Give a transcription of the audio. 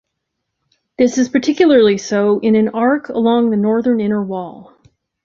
This is particularly so in an arc along the northern inner wall.